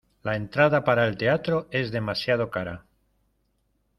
La entrada para el teatro es demasiado cara.